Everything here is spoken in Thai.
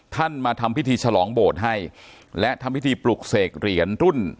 มาทำพิธีฉลองโบสถ์ให้และทำพิธีปลุกเสกเหรียญรุ่น